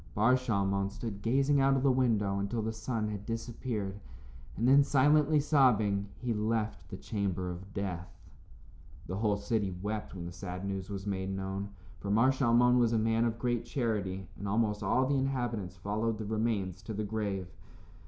Bar Shalmon stood gazing out of the window until the sun had disappeared, and then, silently sobbing, he left the chamber of death. The whole city wept when the sad news was made known, for Mar Shalmon was a man of great charity, and almost all the inhabitants followed the remains to the grave.